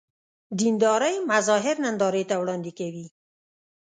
دیندارۍ مظاهر نندارې ته وړاندې کوي.